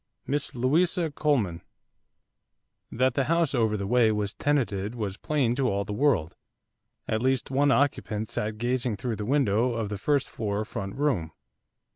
MISS LOUISA COLEMAN That the house over the way was tenanted was plain to all the world, at least one occupant sat gazing through the window of the first floor front room.